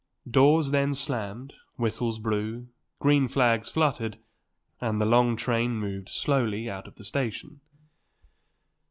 Doors then slammed, whistles blew, green flags fluttered, and the long train moved slowly out of the station.